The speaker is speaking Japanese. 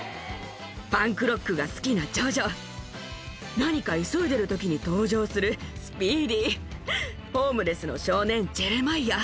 パンクロックが好きなジョジョ、何か急いでるときに登場するスピーディー、ホームレスの少年、ジェレマイア。